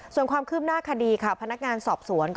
ส่วนความคืบหน้าคดีค่ะพนักงานสอบสวน